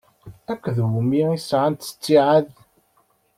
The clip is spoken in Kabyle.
Akked wumi i sɛant ttiɛad?